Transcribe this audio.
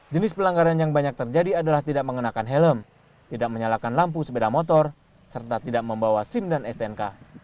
jenis pelanggaran yang banyak terjadi adalah tidak mengenakan helm tidak menyalakan lampu sepeda motor serta tidak membawa sim dan stnk